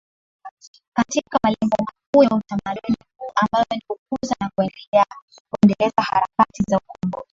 katika malengo makuu ya utamaduni huu ambayo ni Kukuza na kuendeleza harakati za ukombozi